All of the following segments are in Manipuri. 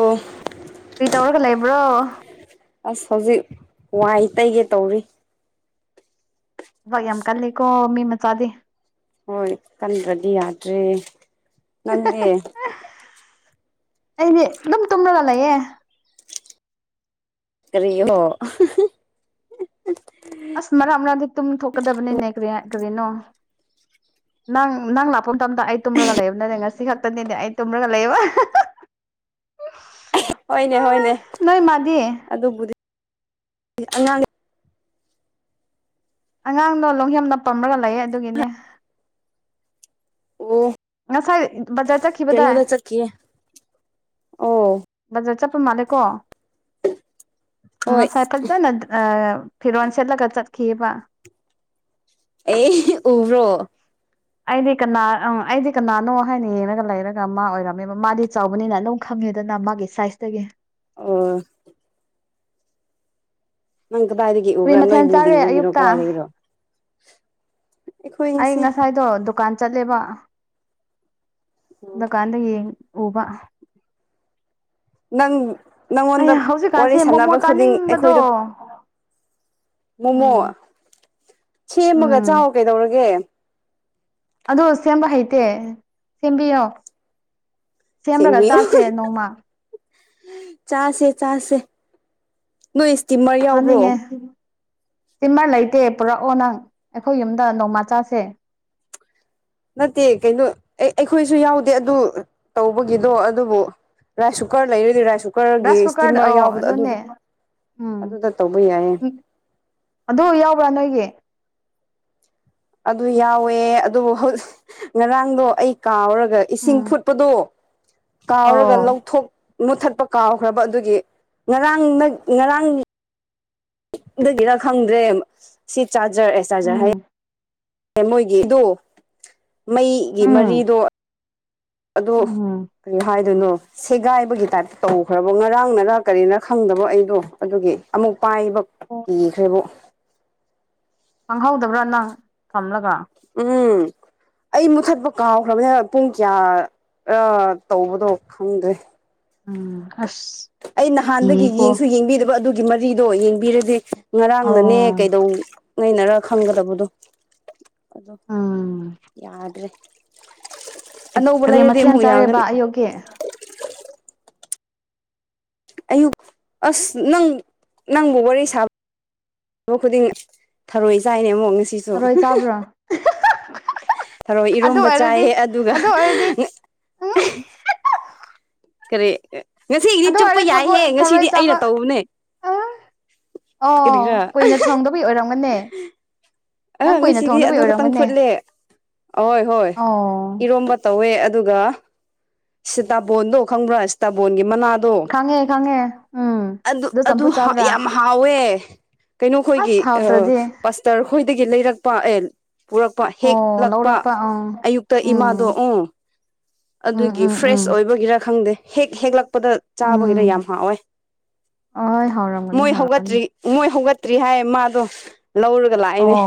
ꯑꯣ ꯀꯔꯤ ꯇꯧꯔꯒ ꯂꯩꯕ꯭ꯔꯣ ꯑꯁ ꯍꯧꯖꯤꯛ ꯋꯥꯏ ꯇꯩꯒꯦ ꯇꯧꯔꯤ ꯊꯕꯛ ꯌꯥꯝ ꯀꯜꯂꯤꯀꯣ ꯃꯤ ꯃꯆꯥꯗꯤ ꯍꯣꯏ ꯀꯟꯗ꯭ꯔꯗꯤ ꯌꯥꯗ꯭ꯔꯦ ꯅꯪꯗꯤ ꯑꯩꯗꯤ ꯑꯗꯨꯝ ꯇꯨꯝꯔꯒ ꯂꯩꯌꯦ ꯀ꯭ꯔꯤꯒꯤꯔꯣ ꯑꯁ ꯃꯔꯛ ꯃꯔꯛꯇ ꯇꯨꯝ ꯊꯣꯛꯀꯗꯕꯅꯤꯅꯦ ꯀꯔꯤ ꯍꯥ ꯀꯔꯤꯅꯣ ꯅꯪ ꯅꯪ ꯂꯥꯛ ꯄ ꯃꯥꯇꯝꯗ ꯑꯩ ꯇꯨꯝꯔꯒ ꯂꯩꯕꯅꯤꯅꯦ ꯉꯁꯤ ꯈꯛꯇꯅꯤꯅꯦ ꯑꯩ ꯇꯨꯝꯔꯒ ꯂꯩꯕ ꯍꯣꯏꯅꯦ ꯍꯣꯏꯅꯦ ꯅꯣꯏ ꯃꯥꯗꯤ ꯑꯗꯨꯕꯨꯗꯤ ꯑꯉꯥꯡꯗꯤ ꯑꯉꯥꯡꯗꯣ ꯂꯣꯡꯍꯦꯝꯅ ꯄꯝꯔꯒ ꯂꯩꯌꯦ ꯑꯗꯨꯒꯤꯅꯦ ꯑꯣ ꯉꯥꯁꯥꯏ ꯕꯖꯥꯔ ꯆꯠꯈꯤ ꯀꯩꯅꯣꯗ ꯆꯠꯈꯤꯌꯦ ꯑꯣ ꯕꯖꯥꯔ ꯆꯠꯄ ꯃꯥꯜꯂꯦꯀꯣ ꯍꯣꯏ ꯉꯁꯥꯏ ꯐꯖꯅ ꯐꯤꯔꯣꯜ ꯁꯦꯠꯂꯒ ꯆꯠꯈꯤꯑꯦꯕ ꯑꯦ ꯎꯕ꯭ꯔꯣ ꯑꯩꯗꯤ ꯀꯅꯥ ꯑꯩꯗꯤ ꯀꯅꯥꯅꯣ ꯍꯥꯏꯅ ꯌꯦꯡꯉꯒ ꯂꯩꯔꯒ ꯃꯥ ꯑꯣꯏꯔꯝꯃꯦꯕ ꯃꯥꯗꯤ ꯆꯥꯎꯕꯅꯤꯅ ꯑꯗꯨꯝ ꯈꯪꯉꯦꯗꯅ ꯃꯥꯒꯤ ꯁꯥꯏꯁꯇꯒꯤ ꯑꯣꯏ ꯅꯪ ꯀꯗꯥꯏꯗꯒꯤ ꯀꯔꯤ ꯎꯕ꯭ꯔ ꯅꯣꯏ ꯃꯊꯦꯜ ꯆꯥꯔꯦ ꯕꯤꯜꯗꯤꯜꯗꯒꯤꯔꯣ ꯑꯌꯨꯛꯇ ꯀꯗꯥꯏꯗꯒꯤꯔꯣ ꯑꯩꯈꯣꯏ ꯑꯩ ꯉꯁꯤ ꯉꯁꯥꯏꯗꯣ ꯗꯨꯀꯥꯟ ꯆꯠꯂꯦꯕ ꯗꯨꯀꯥꯟꯗꯩ ꯌꯦꯡ ꯎꯕ ꯅꯪ ꯑꯩ ꯅꯪꯉꯣꯟꯗ ꯋꯥꯔꯤ ꯍꯧꯖꯤꯛꯀꯥꯟꯁꯦ ꯃꯣꯃꯣ ꯁꯥꯟꯅꯕ ꯈꯨꯗꯤꯡ ꯆꯥꯅꯤꯡꯕꯗꯣ ꯑꯩꯈꯣꯏꯗꯣ ꯃꯣꯃꯣ ꯎꯝ ꯁꯦꯝꯃꯒ ꯆꯥꯎ ꯎꯝ ꯀꯩꯗꯧꯔꯒꯦ ꯑꯗꯣ ꯁꯦꯝꯕ ꯍꯩꯇꯦ ꯁꯦꯝꯕꯤꯌꯣ ꯁꯦꯝꯔꯒ ꯁꯦꯝꯕꯤꯑꯣ ꯆꯥꯁꯦ ꯅꯣꯡꯃ ꯆꯥꯁꯦ ꯆꯥꯁꯦ ꯅꯣꯏ ꯁ꯭ꯇꯤꯃꯔ ꯆꯥꯅꯤꯡꯉꯦ ꯁ꯭ꯇꯤꯝꯃꯔ ꯂꯩꯇꯦ ꯄꯨꯔꯛꯑꯣ ꯅꯪ ꯑꯩꯈꯣꯏ ꯌꯨꯝꯗ ꯅꯣꯡꯃ ꯆꯥꯁꯦ ꯅꯠꯇꯦ ꯀꯩꯅꯣ ꯑꯦ ꯑꯩꯈꯣꯏꯁꯨ ꯌꯥꯎꯗꯦ ꯑꯗꯨ ꯇꯧꯕꯒꯤꯗꯣ ꯑꯗꯨꯕꯨ ꯔꯥꯏꯁ ꯀꯨꯀꯔ ꯂꯩꯔꯗꯤ ꯔꯥꯏꯁ ꯀꯨꯀꯔꯒꯤ ꯔꯥꯏꯁ ꯀꯨꯀꯔ ꯁ꯭ꯇꯤꯝꯃꯔ ꯑꯧ ꯌꯥꯎꯕꯗꯣ ꯑꯗꯨꯅꯦ ꯑꯗꯨꯗ ꯎꯝ ꯑꯗꯨꯗ ꯇꯧꯕ ꯌꯥꯏꯌꯦ ꯑꯗꯨ ꯌꯥꯎꯕ꯭ꯔ ꯅꯣꯏꯒꯤ ꯑꯗꯨ ꯌꯥꯎꯋꯦ ꯑꯗꯨꯕꯨ ꯍꯧꯖꯤꯛ ꯉꯔꯥꯡꯗꯣ ꯑꯩ ꯀꯥꯎꯔꯒ ꯑꯗꯨꯒ ꯏꯁꯤꯡ ꯎꯝ ꯐꯨꯠꯄꯗꯣ ꯀꯥꯎꯔꯒ ꯑꯣ ꯂꯧꯊꯣꯛ ꯃꯨꯊꯠꯄ ꯀꯥꯎꯈ꯭ꯔꯕ ꯑꯗꯨꯒꯤ ꯉꯔꯥꯡ ꯉꯔꯥꯡ ꯑꯗꯨꯒꯤꯔ ꯈꯪꯗ꯭ꯔꯦ ꯁꯤ ꯆꯥꯔꯖꯔ ꯑꯦ ꯆꯥꯔꯖꯔ ꯍꯥꯏꯌꯦ ꯎꯝ ꯃꯣꯏꯒꯤ ꯑꯗꯣ ꯃꯩꯒꯤ ꯎꯝ ꯃꯔꯤꯗꯣ ꯑꯗꯣ ꯎꯝ ꯀꯔꯤ ꯍꯥꯏꯗꯣꯏꯅꯣ ꯁꯦꯒꯥꯏꯕꯒꯤ ꯇꯥꯏꯞꯇ ꯇꯧꯈ꯭ꯔꯕ ꯉꯔꯥꯡ ꯅꯔ ꯀꯔꯤꯅꯔ ꯈꯪꯗꯕ ꯑꯩꯗꯣ ꯑꯗꯨꯒꯤ ꯑꯃꯨꯛ ꯄꯥꯏꯕ ꯀꯤꯈ꯭ꯔꯦꯕꯣ ꯈꯪꯍꯧꯗꯕ꯭ꯔꯥ ꯅꯪ ꯊꯝꯂꯒ ꯎꯝ ꯑꯩ ꯃꯨꯊꯠꯄ ꯀꯥꯎꯈ꯭ꯔꯕꯅꯤꯅ ꯄꯨꯡ ꯀꯌꯥ ꯇꯧꯕꯗꯣ ꯈꯪꯗ꯭ꯔꯦ ꯎꯝ ꯑꯁ ꯑꯩ ꯅꯍꯥꯟꯗꯒꯤ ꯀꯤꯀꯣ ꯌꯦꯡꯁꯨ ꯌꯦꯡꯕꯤꯗꯕ ꯑꯗꯨꯒꯤ ꯃꯔꯤꯗꯣ ꯌꯦꯡꯕꯤꯔꯗꯤ ꯉꯔꯥꯡꯅꯅꯦ ꯑꯣ ꯀꯩꯗꯧ ꯅꯩꯅꯔ ꯈꯪꯒꯗꯕꯗꯣ ꯑꯗꯣ ꯎꯝ ꯌꯥꯗ꯭ꯔꯦ ꯑꯅꯧꯕ ꯂꯩꯔꯗꯤ ꯑꯃꯨꯛ ꯌꯥꯒꯅꯤ ꯑꯣꯀꯦ ꯑꯌꯨꯛ ꯑꯁ ꯅꯪ ꯅꯪꯕꯨ ꯋꯥꯔꯤ ꯁꯥꯕ ꯊ ꯈꯨꯗꯤꯡ ꯊꯔꯣꯏ ꯆꯥꯏꯅꯦ ꯑꯃꯨꯛ ꯉꯁꯤ ꯊꯔꯣꯏ ꯆꯥꯕ꯭ꯔꯣ ꯊꯔꯣꯏ ꯑꯗꯨ ꯏꯔꯣꯝꯕ ꯑꯣꯏꯔꯗꯤ ꯆꯥꯏꯌꯦ ꯑꯗꯨꯒ ꯑꯗꯨ ꯑꯣꯏꯔꯗꯤ [inaudible] ꯀꯔꯤ ꯉꯁꯤꯒꯤꯗꯤ ꯑꯗꯨ ꯆꯨꯞꯄ ꯑꯣꯏꯔꯗꯤ ꯊꯕꯣꯏ ꯌꯥꯏꯍꯦ ꯊꯔꯣꯏ ꯉꯁꯤꯗꯤ ꯆꯥꯕ ꯑꯩꯅ ꯇꯧꯕꯅꯦ ꯑꯣ ꯀꯔꯤꯔꯥ ꯀꯨꯏꯅ ꯊꯣꯡꯗꯕꯒꯤ ꯑꯣꯏꯔꯝꯒꯅꯤ ꯑꯥ ꯅꯪ ꯀꯨꯏꯅ ꯉꯁꯤꯗꯤ ꯊꯣꯡꯗꯕꯩ ꯑꯗꯨ ꯈꯛꯇꯪ ꯑꯣꯏꯔꯝꯒꯅꯤ ꯐꯨꯠꯂꯦ ꯑꯣꯏ ꯍꯣꯏ ꯑꯣ ꯏꯔꯣꯝꯕ ꯇꯧꯋꯦ ꯑꯗꯨꯒ ꯁꯤꯇꯥꯐꯣꯟꯗꯣ ꯈꯪꯕ꯭ꯔꯥ ꯁꯤꯇꯥꯐꯣꯟꯒꯤ ꯃꯅꯥꯗꯣ ꯈꯪꯉꯦ ꯈꯪꯉꯦ ꯎꯝ ꯇꯣ ꯑꯗꯨ ꯑꯗꯨ ꯆꯝꯐꯨꯠ ꯆꯥꯕ꯭ꯔꯥ ꯌꯥꯝ ꯍꯥꯎꯋꯦ ꯀꯩꯅꯣꯈꯣꯏꯒꯤ ꯑꯁ ꯑꯥ ꯍꯥꯎꯇ꯭ꯔꯗꯤ ꯄꯥꯁꯇꯔ ꯑꯩꯈꯣꯏꯗꯒꯤ ꯂꯩꯔꯛꯄ ꯑꯦ ꯄꯨꯔꯛꯄ ꯑꯣ ꯍꯦꯛꯂꯛꯄ ꯂꯧꯔꯛꯄ ꯑꯪ ꯑꯌꯨꯛꯇ ꯎꯝ ꯏꯃꯥꯗꯣ ꯎ ꯎꯝ ꯑꯗꯨꯒꯤ ꯎꯝ ꯎꯝ ꯐ꯭ꯔꯦꯁ ꯑꯣꯏ ꯑꯗꯨꯒꯤꯔ ꯈꯪꯗꯦ ꯍꯦꯛ ꯍꯦꯛꯂꯛꯄꯗ ꯎꯝ ꯆꯥꯕꯒꯤꯅ ꯌꯥꯝ ꯍꯥꯎꯋꯦ ꯑꯍꯣꯏ ꯍꯥꯎꯔꯝꯒꯅꯤ ꯃꯣꯏ ꯍꯥꯎꯔꯝ ꯍꯧꯒꯠꯇ꯭ꯔꯤ ꯃꯣꯏ ꯍꯧꯒꯠꯇ꯭ꯔꯤ ꯍꯥꯏ ꯃꯥꯗꯣ ꯂꯧꯔꯒ ꯂꯥꯛꯏꯅꯦ꯫ ꯑꯣ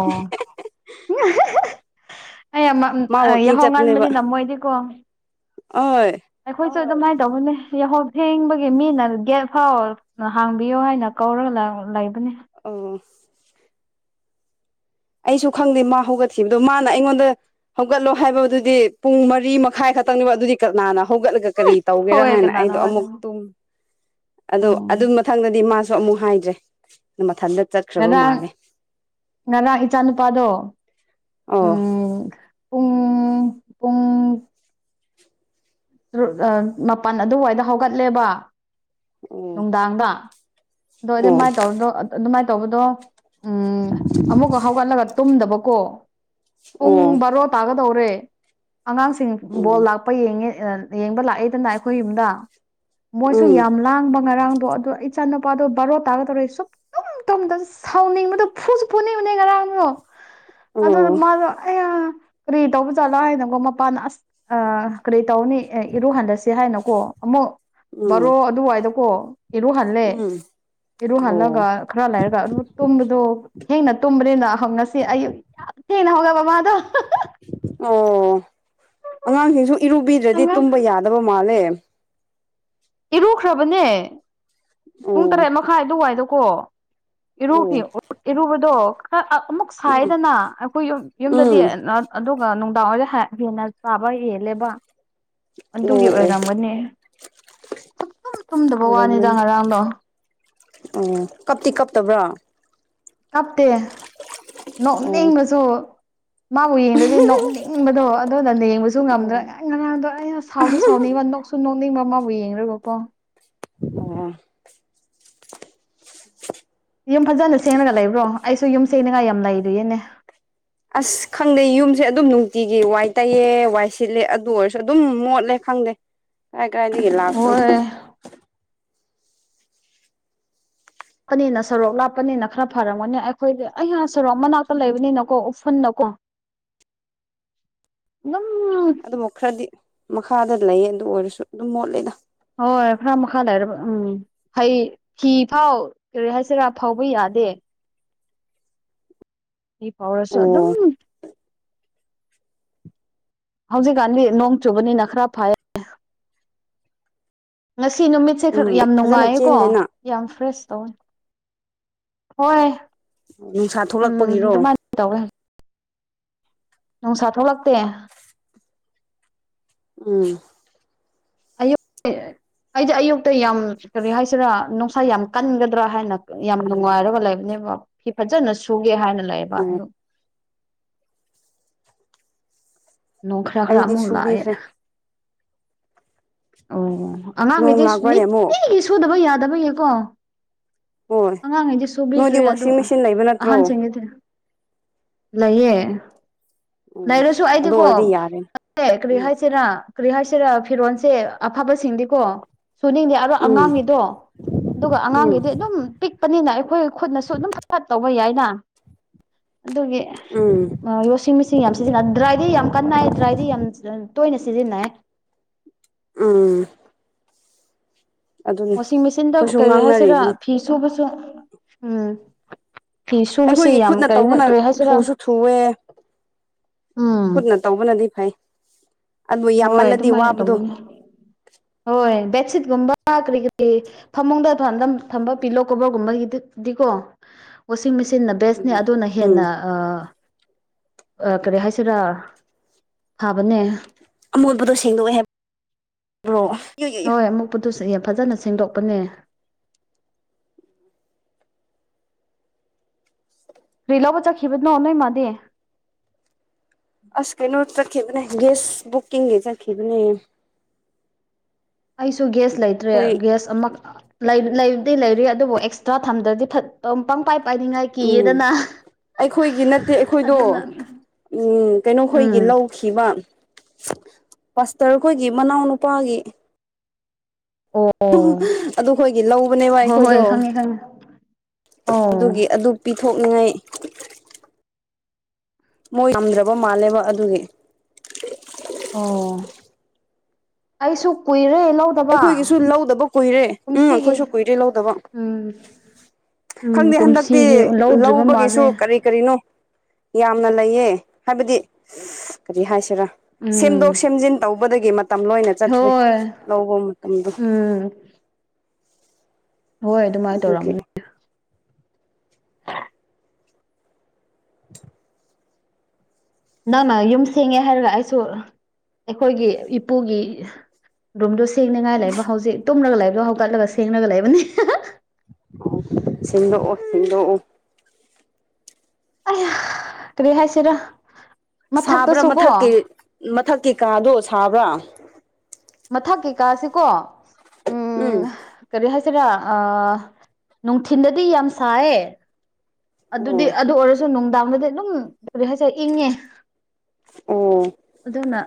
ꯑꯩ ꯑꯃ ꯃꯥ ꯋꯥꯛꯀꯤꯡ ꯌꯥꯍꯧ ꯆꯠꯄꯅꯦꯕ ꯉꯥꯟꯕꯅꯤꯅ ꯃꯣꯏꯗꯤꯀꯣ꯫ ꯑꯣꯏ꯫ ꯑꯩꯈꯣꯏꯁꯨ ꯑꯗꯨꯃꯥꯏꯅ ꯇꯧꯕꯅꯦ ꯌꯥꯍꯧ ꯊꯦꯡꯕꯒꯤ ꯃꯤꯅ ꯒꯦꯠ ꯐꯥꯎ ꯍꯥꯡꯕꯤꯌꯣ ꯍꯥꯏꯅ ꯀꯧꯔꯒ ꯂꯩꯕꯅꯦ꯫ ꯎꯝ꯫ ꯑꯩꯁꯨ ꯈꯪꯗꯦ ꯃꯥ ꯍꯧꯒꯠꯈꯤꯕꯗꯣ ꯃꯥꯅ ꯑꯩꯉꯣꯟꯗ ꯍꯧꯒꯠꯂꯣ ꯍꯥꯏꯕꯗꯨꯗꯤ ꯄꯨꯡ ꯃꯔꯤ ꯃꯈꯥꯏ ꯈꯛꯇꯪꯅꯦꯕ ꯑꯗꯨꯗꯤ ꯀꯅꯥꯅ ꯍꯧꯒꯠꯂꯒ ꯀꯔꯤ ꯇꯧꯒꯦꯔꯥ ꯍꯣꯏ ꯍꯥꯏꯅ ꯀꯅꯥꯅ ꯑꯩꯗꯣ ꯑꯃꯨꯛ ꯍꯧꯒꯠꯀꯅꯤ ꯇꯨꯝ ꯑꯗꯣ ꯑꯗꯨ ꯎꯝ ꯃ ꯃꯊꯪꯗꯗꯤ ꯃꯥꯁꯨ ꯑꯃꯨꯛ ꯍꯥꯏꯗ꯭ꯔꯦ ꯃꯊꯟꯗ. ꯉꯔꯥꯡ ꯉꯔꯥꯡ ꯏꯆꯥ ꯅꯨꯨꯄꯥꯗꯣ ꯑꯣ꯫ ꯎꯝ ꯄꯨꯡ ꯄꯨꯡ ꯇꯔꯨꯠ ꯃꯄꯟ ꯑꯗꯨꯋꯥꯏꯗ ꯍꯧꯒꯠꯂꯦꯕ꯫ ꯑꯣ ꯅꯨꯡꯗꯥꯡꯗ ꯗꯣ ꯑꯗꯨꯃꯥꯏ ꯇꯧꯖꯗꯣ ꯑꯗꯨꯃꯥꯏꯅ ꯇꯧꯕꯗꯣ [unintelligible] ꯑꯃꯨꯛ ꯍꯧꯒꯠꯂꯒ ꯇꯨꯝꯗꯕꯀꯣ ꯄꯨꯡ ꯑꯣ ꯕꯥꯔꯣ ꯇꯥꯒꯗꯧꯔꯦ꯫ ꯑꯉꯥꯡꯁꯤꯡ ꯑꯣ ꯑꯣ ꯕꯣꯜ ꯎꯝ ꯂꯥꯛꯄ ꯌꯦꯡꯉꯦ ꯌꯦꯡꯕ ꯂꯥꯛꯑꯦꯗꯅ ꯑꯩꯈꯣꯏ ꯌꯨꯝꯗ꯫ ꯃꯣꯏꯁꯨ ꯌꯥꯝ ꯂꯥꯡꯕ ꯉꯔꯥꯡꯗꯣ ꯑꯗꯣ ꯏꯆꯥ ꯅꯨꯄꯥꯗꯣ ꯕꯥꯔꯣ ꯇꯥꯒ ꯗꯧꯔꯦ ꯁꯨꯛꯇꯨꯝ ꯇꯨꯝꯗꯕꯅꯦ ꯁꯥꯎꯅꯤꯡꯕꯗꯣ ꯐꯨꯁꯨ ꯐꯨꯅꯤꯡꯕꯅꯦ ꯉꯔꯥꯡꯗꯣ꯫ ꯑꯗꯨ ꯑꯣ ꯃꯥꯗꯣ ꯑ ꯀꯔꯤ ꯇꯧꯕꯖꯥꯠꯂꯣ ꯍꯥꯏꯅꯀꯣ ꯃꯄꯥꯟꯅ ꯑꯁ ꯑ꯫ ꯀꯔꯤ ꯇꯧꯅꯤ ꯑꯦ ꯏꯔꯨ ꯍꯟꯊꯁꯤ ꯍꯥꯏꯅꯀꯣ ꯑꯃꯨꯛ ꯎꯝ ꯕꯥꯔꯣ ꯑꯗꯨꯋꯥꯏꯗꯀꯣ꯫ ꯏꯔꯨ ꯍꯜꯂꯦ ꯎꯝ ꯏꯔꯨ ꯑꯣ ꯍꯜꯂꯒ ꯈꯔ ꯂꯩꯔꯒ ꯑꯗꯨ ꯇꯨꯝꯕꯗꯣ ꯊꯦꯡꯅ ꯇꯨꯝꯕꯅꯤꯅ ꯉꯁꯤ ꯑꯌꯨꯛ ꯌꯥꯝꯊꯦꯡꯅ ꯍꯧꯌꯦꯕ ꯃꯥꯗꯣ꯫ ꯑꯣ ꯑꯉꯥꯡꯁꯤꯡꯖꯨ ꯏꯔꯨꯕꯤꯗ꯭ꯔꯗꯤ ꯇꯨꯝꯕ ꯌꯥꯗꯕ ꯃꯥꯜꯂꯦ꯫ ꯏꯔꯨꯈ꯭ꯔꯕꯅꯦ ꯄꯨꯡ ꯑꯣ ꯇꯔꯦꯠ ꯃꯈꯥꯏ ꯑꯗꯨꯋꯥꯏꯗꯀꯣ꯫ ꯏꯔꯨꯈꯤ ꯑꯣ ꯏꯔꯨꯕꯗꯣ ꯈꯔ ꯑꯃꯨꯛ ꯎꯝ ꯁꯥꯏꯗꯅ ꯑꯩꯈꯣꯏ ꯌ ꯌꯨꯝꯗꯗꯤ ꯎꯝ ꯑꯣ ꯑꯗꯨꯒ ꯅꯨꯡꯗꯥꯡꯋꯥꯏꯔ ꯍꯦꯟꯅ ꯆꯥꯕ ꯍꯦꯜꯂꯦꯕ ꯑꯗꯨꯒꯤ ꯑꯣ ꯑꯣꯏꯔꯝꯒꯅꯤ꯫ ꯁꯨꯛ ꯇꯨꯝ ꯇꯨꯝꯗꯕ ꯋꯥꯅꯤꯗ ꯉꯔꯥꯡꯗꯣ꯫ ꯎꯝ ꯀꯞꯇꯤ ꯀꯞꯇꯕ꯭ꯔꯣ꯫ ꯀꯞꯇꯦ ꯑꯣ ꯅꯣꯛꯅꯤꯡꯕꯖꯨ ꯃꯥꯕꯨ ꯌꯦꯡꯗꯗꯤ ꯅꯣꯛꯅꯤꯡꯕꯗꯣ ꯑꯗꯨꯅ ꯌꯦꯡꯕꯁꯨ ꯉꯝꯗ꯭ꯔꯥ꯫ ꯑꯣ ꯑꯩ ꯉꯔꯥꯡꯗꯣ ꯑꯩꯅ ꯁꯥꯎꯁꯨ ꯁꯥꯎꯅꯤꯡꯕ ꯅꯣꯛꯁꯨ ꯅꯣꯛꯅꯤꯡꯕ ꯑꯃꯕꯨ ꯌꯦꯡꯨꯕꯀꯣ꯫ ꯎꯝ꯫ ꯌꯨꯝ ꯐꯖꯅ ꯁꯦꯡꯉꯒ ꯂꯩꯕ꯭ꯔꯣ ꯑꯩꯁꯨ ꯌꯨꯝ ꯁꯦꯡꯅꯤꯡꯉꯥꯏ ꯌꯥꯝ ꯂꯩꯔꯤꯌꯦꯅꯦ꯫ ꯑꯁ ꯈꯪꯗꯦ ꯌꯨꯝꯁꯦ ꯑꯗꯨꯝ ꯅꯨꯡꯇꯤꯒꯤ ꯋꯥꯏ ꯇꯩꯌꯦ ꯋꯥꯏ ꯁꯤꯠꯂꯦ ꯑꯗꯨ ꯑꯣꯏꯔꯁꯨ ꯑꯗꯨꯝ ꯃꯣꯠꯂꯦ ꯈꯪꯗꯦ꯫ ꯀꯥꯏ ꯀꯥꯏꯗꯒꯤꯂꯥꯛꯄꯔ꯫ ꯍꯣꯏ ꯂꯄꯅꯤꯅ ꯁꯣꯔꯣꯛ ꯂꯥꯞꯄꯅꯤꯅ ꯈꯔ ꯐꯔꯝꯒꯅꯤ ꯑꯩꯈꯣꯏꯗꯤ ꯑꯩꯍꯥꯛ ꯁꯣꯔꯣꯛ ꯃꯅꯥꯛꯇ ꯂꯩꯕꯅꯤꯅꯀꯣ ꯎꯐꯨꯟꯅꯀꯣ꯫ ꯅꯪ ꯑꯗꯨꯃꯨꯛ ꯈꯔꯗꯤ ꯃꯈꯥꯗ ꯂꯩꯌꯦ ꯑꯗꯨ ꯑꯣꯏꯔꯁꯨ ꯑꯗꯨꯝ ꯃꯣꯠꯂꯦꯗ꯫ ꯍꯣꯏ ꯈꯔ ꯃꯈꯥ ꯂꯩꯔꯕ ꯎꯝ꯫ ꯍꯩ ꯐꯤ ꯐꯥꯎ ꯀꯔꯤ ꯍꯥꯏꯁꯤꯔꯥ ꯐꯥꯎꯕ ꯌꯥꯗꯦ꯫ ꯐꯤ ꯐꯥꯎꯔꯁꯨ ꯑꯗꯨꯝ꯫ ꯑꯣ ꯍꯧꯖꯤꯛꯀꯥꯟꯗꯤ ꯅꯣꯡ ꯆꯨꯕꯅꯤꯅ ꯈꯔ ꯐꯩꯌꯦ꯫ ꯉꯁꯤ ꯅꯨꯃꯤꯠꯁꯦ ꯈꯔ ꯎꯝ ꯌꯥꯝ ꯐꯖꯅ ꯅꯨꯡꯉꯥꯏꯌꯦꯀꯣ꯫ ꯆꯦꯟꯗꯦꯅ ꯌꯥꯝ ꯐ꯭ꯔꯦꯁ ꯇꯧꯋꯦ ꯍꯣꯏ꯫ ꯅꯨꯡꯁꯥ ꯎꯝ ꯊꯣꯛꯂꯛꯄꯒꯤꯔꯣ꯫ ꯑꯗꯨꯃꯥꯏꯅ ꯇꯧꯋꯦ꯫ ꯅꯨꯡꯁꯥ ꯊꯣꯛꯂꯛꯇꯦ꯫ ꯎꯝ ꯑꯌꯨ [unintelligible] ꯑꯩꯗꯤ ꯑꯌꯨꯛꯇ ꯌꯥꯝ ꯀꯔꯤ ꯍꯥꯏꯁꯤꯔꯥ ꯅꯨꯡꯁꯥ ꯌꯥꯝ ꯀꯟꯒꯗ꯭ꯔꯥ ꯍꯥꯏꯅ ꯌꯥꯝ ꯅꯨꯡꯉꯥꯏꯔꯒ ꯂꯩꯕꯅꯦꯕ ꯐꯤ ꯐꯖꯅ ꯁꯨꯒꯦ ꯍꯥꯏꯅ ꯂꯩꯌꯦꯕ ꯑꯣ ꯑꯗꯨ ꯅꯣꯡ ꯈꯔ ꯈꯔ ꯑꯩꯗꯤ ꯑꯃꯨꯛ ꯂꯥꯛꯑꯦ ꯁꯨꯕꯤꯈ꯭ꯔꯦ ꯑꯣ ꯅꯣꯡ ꯑꯉꯥꯡꯒꯤꯗꯤꯁ ꯂꯥꯛꯄ꯭ꯔꯅꯦ ꯑꯃꯨꯛ ꯅꯤꯇꯤ ꯁꯨꯗꯕ ꯌꯥꯗꯕꯒꯤꯀꯣ ꯍꯣꯏ ꯑꯉꯥꯡꯉꯩꯗꯤ ꯅꯣꯏꯗꯤ ꯁꯨꯕꯤꯈ꯭ꯔꯦ ꯑꯗꯨ ꯋꯥꯁꯤꯡ ꯃꯦꯆꯤꯟ ꯂꯩꯕ ꯅꯠꯇ꯭ꯔꯣ ꯑꯍꯟꯁꯤꯡꯒꯤꯗꯤ ꯂꯩꯌꯦ ꯑꯣ ꯂꯩꯔꯁꯨ ꯑꯗꯨ ꯑꯣꯏꯔꯗꯤ ꯑꯩꯗꯤꯀꯣ ꯌꯥꯔꯦ [unintelligible] ꯀꯔꯤ ꯎꯝ ꯍꯥꯏꯁꯤꯔꯥ ꯀꯔꯤ ꯍꯥꯏꯁꯤꯔꯥ ꯐꯤꯔꯣꯟꯁꯦ ꯑꯐꯕꯁꯤꯡꯗꯤꯀꯣ ꯁꯨꯅꯤꯡꯗꯦ ꯔ ꯎꯝ ꯑꯉꯥꯡꯒꯤꯗꯣ ꯑꯗꯨꯒ ꯎꯝ ꯑꯉꯥꯡꯒꯤꯗꯤ ꯑꯗꯨꯝ ꯄꯤꯛꯄꯅꯤꯅ ꯑꯩꯈꯣꯏ ꯈꯨꯠꯅꯁꯨ ꯑꯗꯨꯝ ꯐꯠ ꯐꯠ ꯇꯧꯕ ꯌꯥꯏꯅ ꯑꯗꯨꯒꯤ ꯎꯝ ꯋꯥꯁꯤꯡ ꯃꯦꯁꯤꯟ ꯌꯥꯝ ꯁꯤꯖꯤꯟꯅ ꯗ꯭ꯔꯥꯏꯗꯤ ꯌꯥꯝ ꯀꯟꯅꯥꯏ ꯗ꯭ꯔꯥꯏꯗꯤ ꯌꯥꯝ ꯇꯣꯏꯅ ꯁꯤꯖꯤꯟꯅꯩ ꯎꯝ ꯑꯗꯨꯅꯤ ꯋꯥꯁꯤꯡ ꯃꯦꯆꯤꯟꯗ ꯑꯩꯈꯣꯏꯁꯨ ꯀꯔꯤ ꯍꯥꯏꯁꯤꯔꯥ ꯉꯥꯡꯅꯔꯤꯕꯅꯤ ꯐꯤ ꯁꯨꯕꯁꯨ ꯎꯝ ꯐꯤ ꯁꯨꯕꯁꯦ ꯑꯩꯈꯣꯏꯒꯤ ꯌꯥꯝ ꯈꯨꯠꯅ ꯀꯔꯤꯅꯣ ꯇꯧꯕꯅ ꯀꯔꯤ ꯍꯥꯏꯁꯤꯔ ꯊꯨꯁꯨ ꯊꯨꯋꯦ ꯎꯝ ꯈꯨꯠꯅ ꯇꯧꯕꯅꯗꯤ ꯐꯩ ꯑꯗꯨ ꯍꯣꯏ ꯌꯥꯝꯃꯜꯂꯗꯤ ꯑꯗꯨꯃꯥꯏꯅ ꯋꯥꯕꯗꯣ ꯇꯧꯕꯅꯤ ꯍꯣꯏ ꯕꯦꯠꯁꯤꯠꯒꯨꯝꯕ ꯀꯔꯤ ꯀꯔꯤ ꯐꯃꯨꯡꯗ ꯊꯥꯟꯗ ꯊꯝꯕ ꯄꯤꯂꯣ ꯀꯣꯕꯔꯒꯨꯝꯕꯒꯤꯗꯤꯀꯣ ꯋꯥꯁꯤꯡ ꯃꯦꯆꯤꯟꯅ ꯕꯦꯁꯅꯤ ꯎꯝ ꯑꯗꯨꯅ ꯍꯦꯟꯅ ꯎꯝ ꯑꯥ ꯑꯥ ꯀꯔꯤ ꯍꯥꯏꯁꯤꯔꯥ ꯊꯥꯕꯅꯦ ꯑꯃꯣꯠꯕꯗꯣ ꯁꯦꯡꯗꯣꯛꯑꯦ ꯍꯥꯏꯕ꯭ꯔꯣ ꯍꯣꯏ ꯑꯃꯣꯠꯄꯗꯨ ꯐꯖꯅ ꯁꯦꯡꯗꯣꯛꯄꯅꯦ ꯀꯔꯤ ꯂꯧꯕ ꯆꯠꯈꯤꯕꯅꯣ ꯅꯣꯏ ꯃꯥꯗꯤ ꯑꯁ ꯀꯩꯅꯣ ꯆꯠꯈꯤꯕꯅꯦ ꯒꯦꯁ ꯕꯨꯀꯤꯡꯒꯤ ꯆꯠꯈꯤꯕꯅꯦ ꯑꯩꯁꯨ ꯒꯦꯁ ꯂꯩꯇ꯭ꯔꯦ ꯑꯩꯈꯣꯏ ꯒ꯭ꯌꯥꯁ ꯑꯃꯛ ꯂꯩ ꯂꯩꯕꯗꯤ ꯂꯩꯔꯤ ꯑꯗꯨꯕꯨ ꯑꯦꯛꯁꯇ꯭ꯔꯥ ꯊꯝꯗ꯭ꯔꯗꯤ ꯐꯠ ꯄꯪ ꯄꯪꯄꯥꯏ ꯄꯥꯏꯅꯤꯡꯉꯥꯏ ꯎꯝ ꯀꯤꯌꯦꯗꯅ ꯑꯩꯈꯣꯏꯒꯤ ꯅꯠꯇꯦ ꯑꯩꯈꯣꯏꯗꯣ ꯑꯗꯨꯅ ꯎꯝ ꯀꯩꯅꯣꯈꯣꯏꯒꯤ ꯎꯝ ꯂꯧ ꯈꯤꯕ ꯄꯁꯇꯔꯈꯣꯏꯒꯤ ꯃꯅꯥꯎꯅꯨꯄꯥꯒꯤ ꯑꯣ [unintelligible] ꯑꯗꯨꯈꯣꯏꯒꯤ ꯂꯧꯕꯅꯦꯕ ꯍꯣꯏ ꯑꯩꯈꯣꯏꯗꯣ ꯍꯣꯏ ꯈꯪꯉꯦ ꯈꯪꯉꯦ ꯑꯣ ꯑꯗꯨꯒꯤ ꯑꯗꯨ ꯄꯤꯊꯣꯛꯅꯤꯡꯉꯥꯏ ꯃꯣꯏ ꯌꯥꯝꯗ꯭ꯔꯕ ꯃꯥꯜꯂꯦꯕ ꯑꯗꯨꯒꯤ ꯑꯣ ꯑꯩꯁꯨ ꯀꯨꯏꯔꯦ ꯂꯧ ꯑꯩꯈꯣꯏꯒꯤꯁꯨ ꯂꯧꯗꯕ ꯀꯨꯏꯔꯦ ꯎꯝ ꯑꯩꯈꯣꯏꯁꯨ ꯀꯨꯏꯔꯦ ꯂꯧꯗꯕ ꯎꯝ ꯎꯝ ꯈꯪꯗꯦ ꯍꯟꯗꯛꯇꯤ ꯀꯨꯝꯁꯤꯒꯤ ꯂꯧꯗ꯭ꯔꯤꯕ ꯂꯧꯕꯒꯤꯁꯨ ꯃꯥꯜꯂꯦ ꯀꯔꯤ ꯀꯔꯤꯅꯣ ꯌꯥꯝꯅ ꯂꯩꯌꯦ ꯍꯥꯏꯕꯗꯤ ꯀꯔꯤ ꯍꯥꯏꯁꯤꯔꯥ ꯁꯦꯝꯗꯣꯛ ꯎꯝ ꯁꯦꯝꯖꯤꯟ ꯇꯧꯕꯗꯒꯤ ꯃꯇꯝ ꯂꯣꯏꯅ ꯆꯠꯈ꯭ꯔꯦ ꯍꯣꯏ ꯂꯧꯕ ꯃꯇꯝꯗꯣ ꯎꯝ ꯍꯣꯏ ꯑꯗꯨꯃꯥꯏꯅ ꯑꯗꯨꯒꯤ ꯇꯧꯔꯝꯃꯤ ꯑꯥ [inaudible] [inaudible] ꯅꯪꯅ ꯌꯨꯝ ꯁꯦꯡꯉꯦ ꯍꯥꯏꯔꯒ ꯑꯩꯁꯨ ꯑꯩꯈꯣꯏꯒꯤ ꯏꯄꯨꯒꯤ ꯔꯨꯝꯗꯣ ꯁꯦꯡꯅꯤꯉꯥꯏ ꯂꯩꯕ ꯍꯧꯖꯤꯛ ꯇꯨꯝꯔꯒ ꯂꯩꯕꯗꯣ ꯍꯧꯒꯠꯂꯒ ꯁꯦꯡꯔꯒ ꯂꯩꯕꯅꯦ ꯑꯣ ꯁꯦꯡꯗꯣꯛꯑꯣ ꯁꯦꯡꯗꯣꯛꯑꯣ ꯑꯩꯌꯥ ꯀꯔꯤ ꯍꯥꯏꯁꯤꯔꯥ ꯁꯥꯕ꯭ꯔꯥ ꯃꯊꯛꯇꯁꯨ ꯀꯣ ꯃꯊꯛꯀꯤ ꯃꯊꯛꯀꯤ ꯀꯥꯗꯣ ꯁꯥꯕ꯭ꯔꯥ ꯃꯊꯛꯒꯤ ꯀꯥꯥꯁꯤ ꯀꯣ ꯎꯝ ꯀꯔꯤ ꯍꯥꯏꯁꯤꯔꯥ ꯅꯨꯡꯊꯤꯟꯗꯗꯤ ꯌꯥꯝ ꯁꯥꯏꯌꯦ ꯑꯣ ꯑꯗꯨꯗꯤ ꯑꯗꯨ ꯑꯣꯏꯔꯁꯨ ꯅꯨꯡꯗꯥꯡꯗꯗꯤ ꯑꯗꯨꯝ ꯀꯔꯤ ꯍꯥꯏꯁꯤꯔꯥ ꯏꯪꯉꯦ ꯑꯣ ꯑꯗꯨꯅ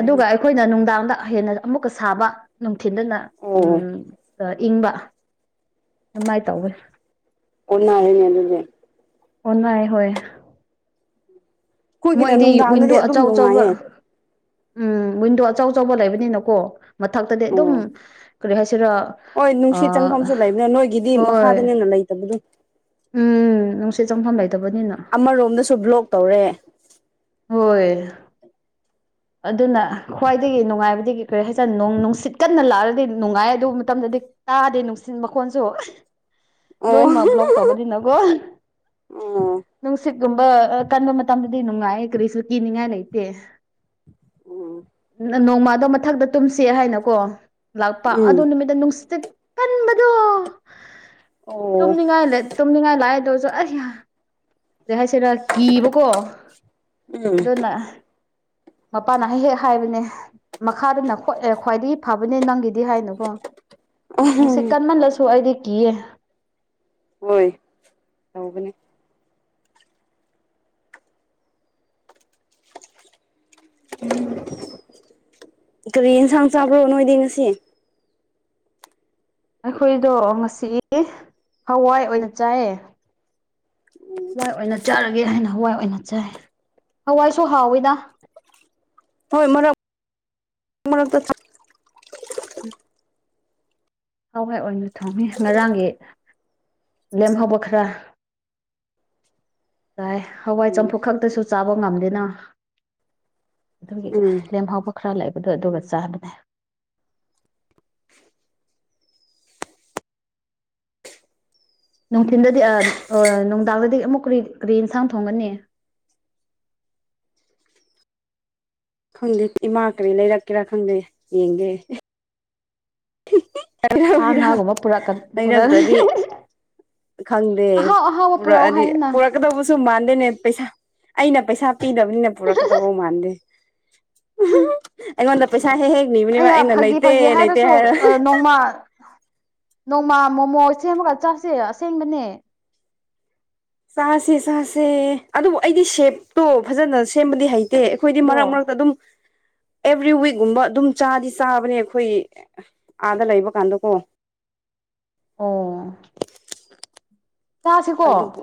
ꯑꯗꯨꯒ ꯑꯩꯈꯣꯏꯅ ꯅꯨꯡꯗꯥꯡꯗ ꯍꯦꯟꯅ ꯑꯃꯨꯛꯀ ꯁꯥꯕ ꯅꯨꯡꯊꯤꯟꯗꯅ ꯑꯣ ꯎꯝ ꯑꯗꯨꯒ ꯏꯪꯕ ꯑꯗꯨꯃꯥꯏ ꯇꯧꯋꯦ ꯑꯣꯟꯅꯔꯦꯅꯦ ꯑꯗꯨꯗꯤ ꯑꯣꯟꯅꯩ ꯍꯣꯏ ꯑꯩꯈꯣꯏꯒꯤꯅ ꯃꯣꯏꯗꯤ ꯅꯨꯡꯗꯥꯡꯗꯗꯤ ꯋꯤꯟꯗꯣ ꯑꯗꯨꯝ ꯑꯆꯧ ꯑꯆꯧꯕ ꯅꯨꯡꯉꯥꯏꯌꯦ ꯎꯝ ꯋꯤꯟꯗꯣ ꯑꯆꯧ ꯑꯆꯧꯕ ꯂꯩꯕꯅꯤꯅꯀꯣ ꯃꯊꯛꯇꯗꯤ ꯑꯗꯨꯝ ꯑꯣ ꯀꯔꯤ ꯍꯥꯏꯁꯤꯔꯥ ꯍꯣꯏ ꯑ ꯅꯨꯡꯁꯤꯠ ꯆꯪꯐꯝꯁꯨ ꯂꯩꯕꯅꯦ ꯅꯣꯏꯒꯤꯗꯤ ꯍꯣꯏ ꯃꯈꯥꯗꯅꯤꯅ ꯂꯩꯇꯕꯗꯣ ꯎꯝ ꯅꯨꯡꯁꯤꯠ ꯆꯪꯐꯝ ꯂꯩꯇꯕꯅꯤꯅ ꯑꯃꯔꯣꯝꯗꯁꯨ ꯕ꯭ꯂꯣꯛ ꯇꯧꯔꯦ ꯍꯣꯏ ꯑꯗꯨꯅ ꯈ꯭ꯋꯥꯏꯗꯒꯤ ꯅꯨꯡꯉꯥꯏꯕꯗꯤ ꯀꯩ ꯀꯔꯤ ꯍꯥꯏꯁꯤꯔꯥ ꯅꯣꯡ ꯅꯨꯡꯁꯤꯠ ꯀꯟꯅ ꯂꯥꯛꯑꯗꯤ ꯅꯨꯡꯉꯥꯏ ꯑꯗꯨ ꯃꯇꯝꯗꯗꯤ ꯇꯥꯗꯦ ꯅꯨꯡꯁꯤꯠ ꯃꯈꯣꯟꯁꯨ ꯑꯣ ꯂꯣꯏꯅꯃꯛ ꯕ꯭ꯂꯣꯛ ꯇꯧꯕꯅꯤꯅ ꯒꯣ ꯑꯣ ꯅꯨꯡꯁꯤꯠꯀꯨꯝꯕ ꯀꯟꯕ ꯃꯇꯝꯗꯗꯤ ꯅꯨꯡꯉꯥꯏꯌꯦ ꯀꯔꯤꯁꯨ ꯀꯤꯅꯤꯡꯉꯥꯏ ꯂꯩꯇꯦ ꯎꯝ ꯅꯣꯡꯃꯗꯣ ꯃꯊꯛꯇ ꯇꯨꯝꯁꯤ ꯍꯥꯏꯅꯀꯣ ꯂꯥꯛꯄ ꯎꯝ ꯑꯗꯣ ꯅꯨꯃꯤꯠꯇ ꯅꯨꯡꯁꯤꯠ ꯀꯟꯕꯗꯣ ꯑꯣ ꯇꯨꯝꯅꯤꯡꯉꯥꯏ ꯂꯩ ꯇꯨꯝꯅꯤꯡꯉꯥꯏ ꯂꯥꯛꯑꯦꯗꯨꯁꯨ ꯑꯩꯌꯥ ꯀꯩ ꯍꯥꯏꯁꯤꯔꯥ ꯀꯤꯕꯀꯣ ꯑꯗꯨꯅ ꯃꯄꯥꯅ ꯍꯦꯛ ꯍꯦꯛ ꯍꯥꯏꯕꯅꯦ ꯃꯈꯥꯗ ꯅꯥꯈꯣꯛꯑꯦ ꯈ꯭ꯋꯥꯏꯗꯒꯤ ꯐꯕꯅꯦ ꯅꯪꯒꯤ ꯗꯤ ꯍꯥꯏꯅꯀꯣ ꯅꯨꯡꯁꯤꯠ ꯎꯝ ꯀꯟꯃꯜꯂꯁꯨ ꯑꯩꯗꯤ ꯀꯤꯌꯦ ꯍꯣꯏ ꯇꯧꯕꯅꯦ ꯎꯝ ꯀꯔꯤ ꯌꯦꯟꯁꯥꯡ ꯆꯥꯕ꯭ꯔꯣ ꯅꯣꯏꯗꯤ ꯉꯁꯤ ꯑꯩꯈꯣꯏꯗꯣ ꯉꯁꯤ ꯍꯋꯥꯏ ꯑꯣꯏꯅ ꯆꯥꯏꯌꯦ ꯍꯋꯥꯏ ꯑꯣꯏꯅ ꯆꯥꯔꯒꯦ ꯍꯥꯏꯅ ꯍꯋꯥꯏ ꯑꯣꯏꯅ ꯆꯥꯏ ꯍꯋꯥꯏꯁꯨ ꯍꯥꯎꯋꯤꯗ ꯍꯣꯏ ꯃꯔꯛ ꯃꯔꯛꯇ ꯆꯥꯢ ꯎꯝ ꯍꯋꯥꯏ ꯑꯣꯏꯅ ꯊꯣꯡꯉꯦ ꯉꯔꯥꯡꯒꯤ ꯂꯦꯝꯍꯧꯕ ꯈꯔ ꯇꯥꯏ ꯍꯋꯥꯏ ꯆꯝꯐꯨꯠ ꯈꯛꯇꯁꯨ ꯆꯥꯕ ꯉꯝꯗꯦꯅ ꯑꯗꯨꯒꯤ ꯎꯝ ꯂꯦꯝꯍꯥꯎꯕ ꯈ꯭ꯔ ꯂꯩꯕꯗꯣ ꯑꯗꯨꯒ ꯆꯥꯕꯅꯦ ꯅꯨꯡꯊꯤꯟꯗꯗꯤ ꯑ ꯑꯣꯏ ꯅꯨꯡꯗꯥꯡꯗꯗꯤ ꯑꯃꯨꯛ ꯀ꯭ꯔꯤ ꯀ꯭ꯔꯤ ꯏꯟꯁꯥꯡ ꯊꯣꯡꯒꯅꯤ ꯈꯪꯗꯦ ꯏꯃꯥ ꯀ꯭ꯔꯤ ꯂꯩꯔꯛꯀꯦꯔꯥ ꯈꯪꯗꯦ ꯌꯦꯡꯒꯦ ꯍꯤꯍꯤ ꯁꯥ ꯉꯥꯒꯨꯝꯕ ꯄꯨꯔꯛꯀ [unintelligible] ꯄꯨꯔꯛ ꯂꯩꯔꯛꯇ꯭ꯔꯗꯤ ꯈꯪꯗꯦ ꯑꯍꯥꯎ ꯑꯍꯥꯎꯕ ꯄꯨꯔꯛꯑꯣ ꯄꯨꯔꯛꯑꯗꯤ ꯄꯨꯔꯛ ꯍꯥꯏꯌꯨꯅ ꯀꯗꯧꯕꯁꯨ ꯃꯥꯟꯗꯦꯅꯦ ꯄꯩꯁꯥ ꯑꯩꯅ ꯄꯩꯁꯥ ꯄꯤꯗꯕꯅꯤꯅ ꯄꯨꯔꯛꯀꯗꯧꯕ ꯃꯥꯟꯗꯦ ꯑꯩꯉꯣꯟꯗ ꯄꯩꯁꯥ ꯍꯦꯛ ꯍꯦꯛ ꯅꯤꯕ ꯑꯩꯌꯥ ꯐꯥꯒꯤ ꯐꯥꯒꯤ ꯍꯥꯏꯔꯁꯨ ꯅꯣꯡꯃ ꯅꯣꯡꯃꯥ ꯃꯣꯃꯣ ꯁꯦꯝꯃꯒ ꯆꯥꯁꯦ ꯑꯁꯦꯡꯕꯅꯦ ꯆꯥꯁꯦ ꯆꯥꯁꯦ ꯑꯗꯨꯕꯨ ꯑꯩꯗꯤ ꯁꯦꯞꯇꯨ ꯐꯖꯅ ꯁꯦꯝꯕꯗꯤ ꯍꯩ ꯇꯦ ꯑꯩꯈꯣꯏꯗꯤ ꯃꯔꯛ ꯗ꯭ꯔꯣ ꯃꯔꯛꯇ ꯑꯗꯨꯝ ꯑꯦꯕ꯭ꯔꯤ ꯋꯤꯛꯒꯨꯝꯕ ꯑꯗꯨꯝ ꯆꯥꯗꯤ ꯆꯥꯕꯅꯦ ꯑꯩꯈꯣꯏ ꯑꯥꯗ ꯂꯩꯕ ꯀꯥꯟꯗꯀꯣ ꯑꯣ ꯆꯥꯁꯤꯀꯣ ꯑꯗꯨꯕꯨ